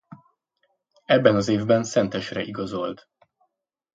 Ebben az évben Szentesre igazolt.